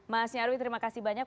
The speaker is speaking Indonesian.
mas nyarwi terima kasih banyak